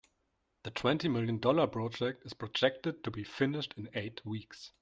The twenty million dollar project is projected to be finished in eight weeks.